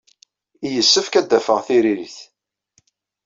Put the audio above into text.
Yessefk ad d-afeɣ tiririt.